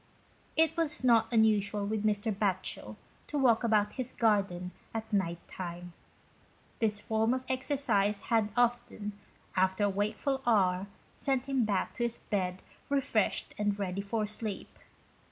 It was not unusual with Mr. Batchel to walk about his garden at night time. This form of exercise had often, after a wakeful hour, sent him back to his bed refreshed and ready for sleep.